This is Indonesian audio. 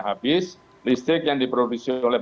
habis listrik yang diproduksi oleh